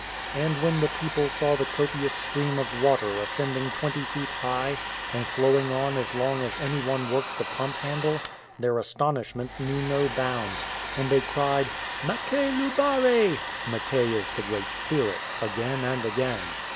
And when the people saw the copious stream of water ascending twenty feet high, and flowing on as long as any one worked the pump handle, their astonishment knew no bounds, and they cried, Makay luhare (" Mackay is the great spirit'') again and again.